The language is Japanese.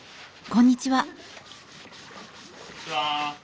こんにちは。